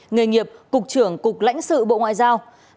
nghề nghiệp cục trưởng cục lãnh sự bộ ngoại giao